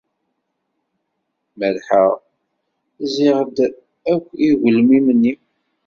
Merrḥeɣ, zziɣ-d akk i ugelmim-nni.